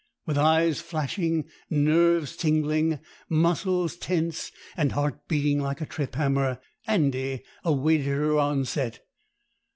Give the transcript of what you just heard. With eyes flashing, nerves tingling, muscles tense, and heart beating like a trip hammer, Andy awaited her onset.